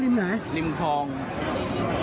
จึงไม่ได้เอดในแม่น้ำ